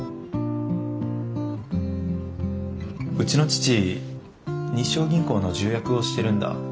うちの父日章銀行の重役をしてるんだ。